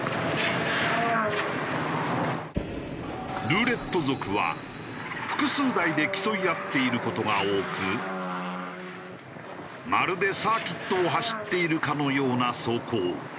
ルーレット族は複数台で競い合っている事が多くまるでサーキットを走っているかのような走行。